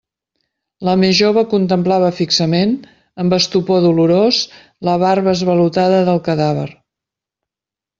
La més jove contemplava fixament, amb estupor dolorós, la barba esvalotada del cadàver.